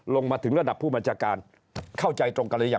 ลงมาถึงระดับผู้บัญชาการเข้าใจตรงกันหรือยัง